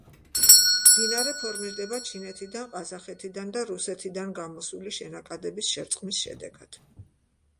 მდინარე ფორმირდება ჩინეთიდან, ყაზახეთიდან, და რუსეთიდან გამოსული შენაკადების შერწყმის შედეგად.